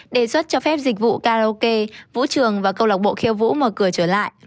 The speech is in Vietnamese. đề xuất cho phép dịch vụ karaoke vũ trường và cầu lọc bộ khiêu vũ mở cửa trở lại